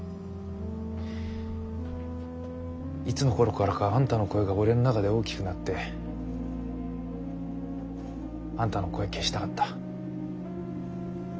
いつの頃からかあんたの声が俺の中で大きくなってあんたの声消したかった。